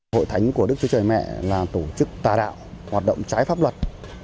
hội thánh của đức chúa trời mẹ là tổ chức tà đạo hoạt động trái pháp luật